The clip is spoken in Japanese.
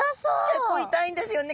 結構痛いんですよね。